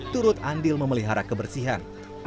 turut andil memelihara kebersihan